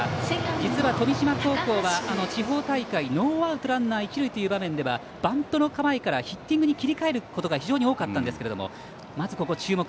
実は、富島高校は地方大会ノーアウトランナー、一塁という場面ではバントの構えからヒッティングに切り替えることが非常に多かったんですけどもまず、ここ注目。